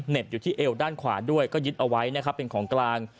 อยู่ที่เอวด้านขวาด้วยก็ยึดเอาไว้นะครับเป็นของกลาง